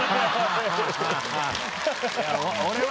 「俺は？」。